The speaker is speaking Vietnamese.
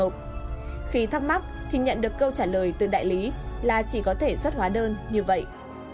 khi thắc mắc thì nhận được câu trả lời từ đại lý là chỉ có thể xuất hóa đơn như vậy